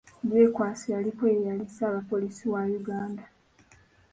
Byekwaso yaliko ye yali ssaabapoliisi wa Uganda.